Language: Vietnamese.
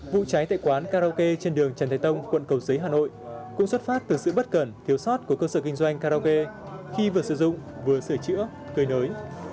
vụ cháy tại quán karaoke trên đường trần thái tông quận cầu giấy hà nội cũng xuất phát từ sự bất cần thiếu sót của cơ sở kinh doanh karaoke khi vừa sử dụng vừa sửa chữa cơi nới